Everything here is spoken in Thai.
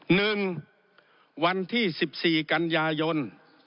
หนึ่งวันที่๑๔กันยายน